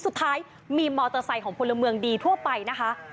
สุดท้ายมีมอเตอร์ไซค์ของพลเมืองดีทั่วไปนะคะ